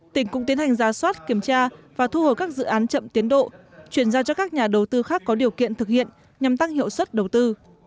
tỉnh cũng tiến hành ra soát kiểm tra và thu hồi các dự án chậm tiến độ chuyển giao cho các nhà đầu tư khác có điều kiện thực hiện nhằm tăng hiệu suất đầu tư